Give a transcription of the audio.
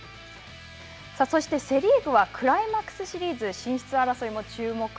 そしてセ・リーグは、クライマックスシリーズ進出争いも注目。